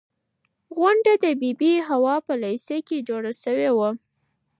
غونډه د بي بي حوا په لېسه کې جوړه شوې وه.